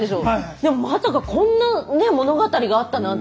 でもまさかこんな物語があったなんて。